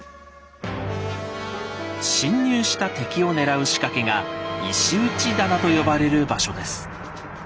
侵入した敵を狙う仕掛けが「石打棚」と呼ばれる場所です。